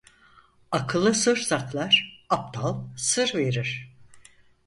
Akıllı sır saklar; aptal sır verir.